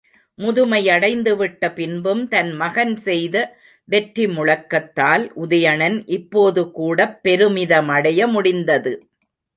முதுமையடைந்து விட்ட பின்பும், தன் மகன் செய்த வெற்றி முழக்கத்தால் உதயணன் இப்போதுகூடப் பெருமிதமடைய முடிந்தது.